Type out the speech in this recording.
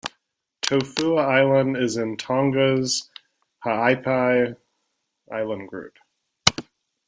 Tofua Island is in Tonga's Ha'apai island group.